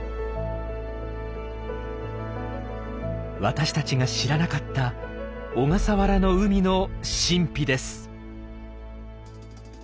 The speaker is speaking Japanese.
私たちが知らなかった小笠原の海の神秘です。